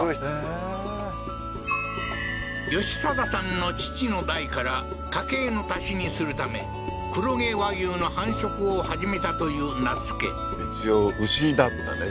へえー義定さんの父の代から家計の足しにするため黒毛和牛の繁殖を始めたという那須家一応牛だったね